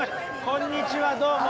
こんにちはどうも。